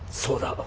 そうだ。